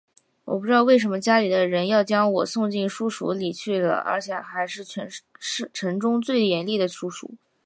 我不知道为什么家里的人要将我送进书塾里去了而且还是全城中称为最严厉的书塾